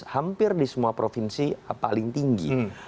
hampir di semua provinsi paling tinggi